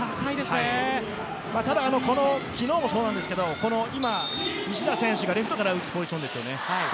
ただ昨日もそうなんですけど今、西田選手がレフトから打つポジションです。